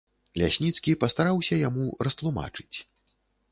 Лясніцкі пастараўся яму растлумачыць.